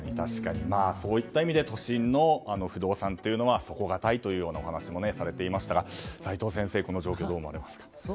そういった意味で都心の不動産は底堅いというようなお話もされていましたが齋藤先生、この状況をどう思われますか？